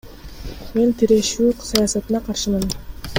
Мен тирешүү саясатына каршымын.